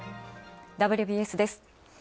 「ＷＢＳ」です。